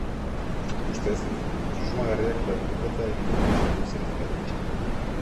Ustez, susmagarriak lapurreta egiteko sartu ziren bere etxean.